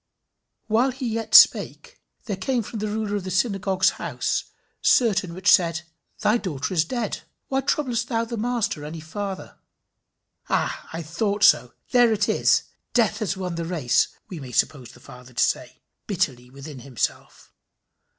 "While he yet spake, there came from the ruler of the synagogue's house certain which said, Thy daughter is dead: why troublest thou the Master any further?" "Ah! I thought so! There it is! Death has won the race!" we may suppose the father to say bitterly within himself.